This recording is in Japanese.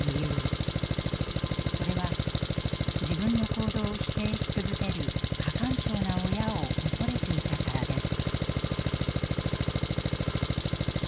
それは自分の行動を否定し続ける過干渉な親を恐れていたからです。